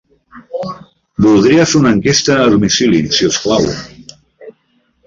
Voldria fer una enquesta a domicili, si us plau.